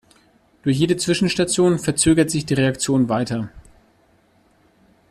Durch jede Zwischenstation verzögert sich die Reaktion weiter.